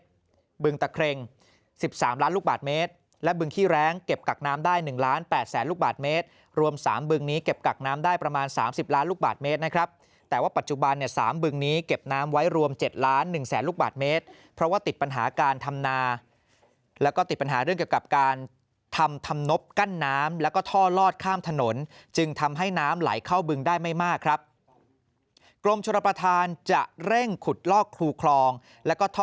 ลูกบาทเมตรบึงตะเคร่ง๑๓ล้านลูกบาทเมตรและบึงขี้แร้งเก็บกักน้ำได้๑ล้าน๘แสนลูกบาทเมตรรวม๓บึงนี้เก็บกักน้ำได้ประมาณ๓๐ล้านลูกบาทเมตรนะครับแต่ว่าปัจจุบัน๓บึงนี้เก็บน้ำไว้รวม๗ล้าน๑แสนลูกบาทเมตรเพราะว่าติดปัญหาการธรรมนาแล้วก็ติดปัญหาเรื่องเกี่ยวกับการทำ